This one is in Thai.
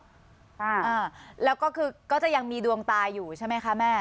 อ่าแล้วก็คือก็จะยังมีดวงตาอยู่ใช่ไหมคะแม่